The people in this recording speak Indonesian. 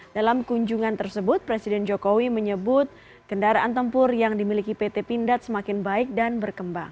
dalam kunjungan tersebut presiden jokowi menyebut kendaraan tempur yang dimiliki pt pindad semakin baik dan berkembang